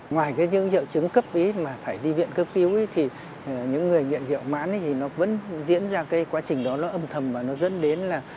ngoài cái những hiệu chứng cấp ý mà phải đi viện cấp cứu ý thì những người nguyện rượu mãn ý thì nó vẫn diễn ra cái quá trình đó nó âm thầm và nó dẫn đến là